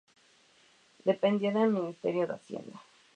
Dependía del Ministerio de Hacienda.